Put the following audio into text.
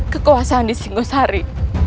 kekuasaan di singosari